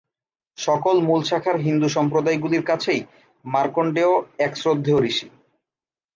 সকল মূল শাখার হিন্দু সম্প্রদায়গুলির কাছেই মার্কণ্ডেয় এক শ্রদ্ধেয় ঋষি।